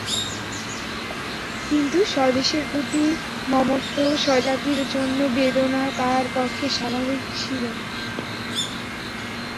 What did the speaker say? কিন্তু স্বদেশের প্রতি মমত্ব, স্বজাতির জন্য বেদনা তাহার পক্ষে স্বাভাবিক ছিল।